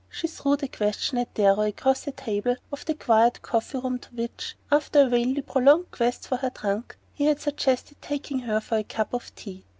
She threw the question at Darrow across a table of the quiet coffee room to which, after a vainly prolonged quest for her trunk, he had suggested taking her for a cup of tea.